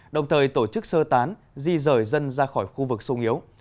đồng thời tổ chức sơ tán di rời dân ra khỏi khu vực sung yếu